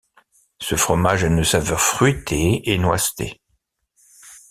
Ce fromage a une saveur fruitée et noisetée.